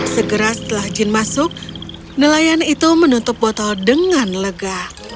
segera setelah jin masuk nelayan itu menutup botol dengan lega